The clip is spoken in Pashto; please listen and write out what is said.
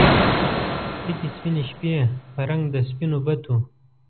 تکې سپینې شپې په رنګ د سپینو بتو